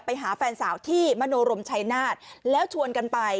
ไปหาแฟนสาวที่มโนรมชัยนาฏแล้วชวนกันไป